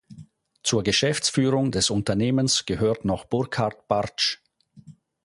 Zur Geschäftsführung des Unternehmens gehört noch Burkhard Bartsch.